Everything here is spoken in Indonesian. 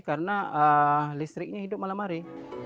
karena listriknya hidup malam hari